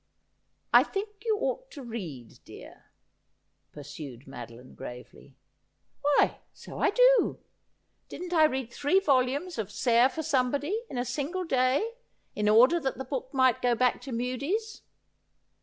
' I think you ought to read, dear,' pursued Madoline gravely. ' Why, so I do. Didn't I read three volumes of " Sair for Somebody," in a single day, in order that the book might go back to Mudie's